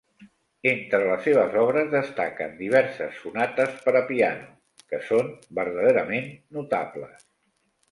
Entre les seves obres, destaquen diverses sonates per a piano, que són verdaderament notables.